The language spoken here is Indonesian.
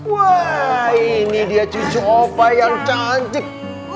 wah ini dia cucu opa yang cantik